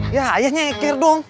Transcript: ya ayahnya eker dong